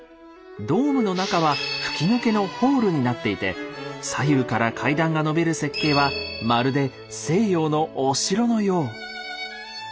ドームの中は吹き抜けのホールになっていて左右から階段がのびる設計はまるで西洋のお城のよう。